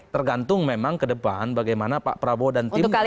tergantung memang ke depan bagaimana pak prabowo dan timnya